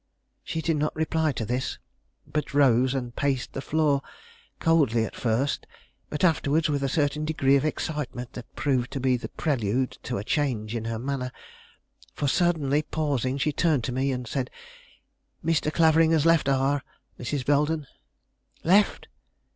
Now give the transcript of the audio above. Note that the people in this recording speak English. She did not reply to this, but rose and paced the floor, coldly at first, but afterwards with a certain degree of excitement that proved to be the prelude to a change in her manner; for, suddenly pausing, she turned to me and said: "Mr. Clavering has left R , Mrs. Belden." "Left!"